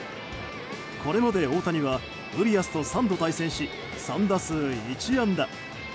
これまで大谷はウリアスと３度対戦し３打数１安打。